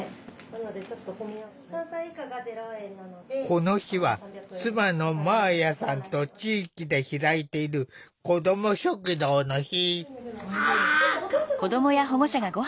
この日は妻の麻綾さんと地域で開いているこども食堂の日。